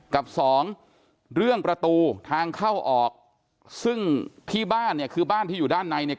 กับสองเรื่องประตูทางเข้าออกซึ่งที่บ้านเนี่ยคือบ้านที่อยู่ด้านในเนี่ย